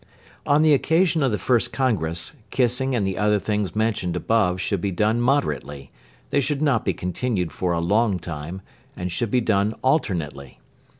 On the occasion of the first congress, kissing and the other things mentioned above should be done moderately, they should not be continued for a long time, and should be done alternately.